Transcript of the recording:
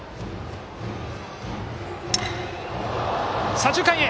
左中間へ！